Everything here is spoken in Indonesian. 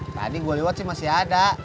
tadi gue lewat sih masih ada